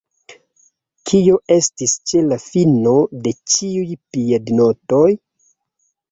Kio estis ĉe la fino de ĉiuj piednotoj?